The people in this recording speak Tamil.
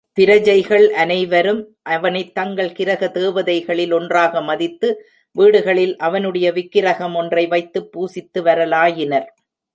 பிரஜைகள் அனைவரும் அவனைத் தங்கள் கிரகதேவதைகளில் ஒன்றாக மதித்து வீடுகளில் அவனுடைய விக்கிரக மொன்றை வைத்துப் பூசித்த வரலாயினர்.